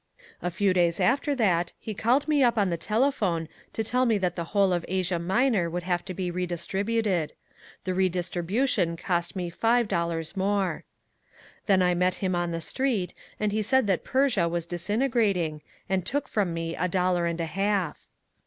A few days after that he called me up on the telephone to tell me that the whole of Asia Minor would have to be redistributed. The redistribution cost me five dollars more. Then I met him on the street, and he said that Persia was disintegrating, and took from me a dollar and a half.